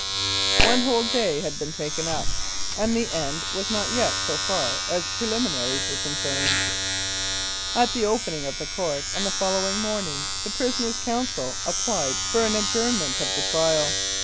One whole day had been taken up, and the end was not yet so far as preliminaries were concerned. At the opening of the court on the following morn ing the prisoner's counsel applied for an adjournment of the trial.